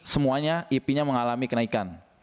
semuanya ep nya mengalami kenaikan